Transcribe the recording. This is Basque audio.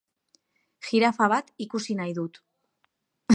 Jirafa bat ikusi nahi dut.